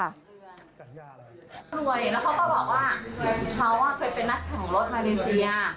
รวยแล้วเขาก็บอกว่าเขาเคยเป็นนักแข่งรถมาเลเซีย